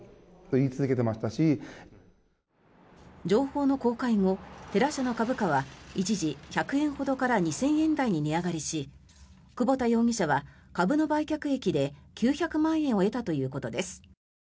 情報の公開後、テラ社の株価は一時、１００円ほどから２０００円台に値上がりし久保田容疑者は株の売却益で９００万円を得たということです。